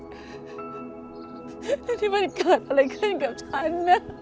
แล้วที่มันเกิดอะไรขึ้นกับฉันนะ